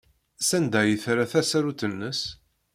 Sanda ay terra tasarut-nnes?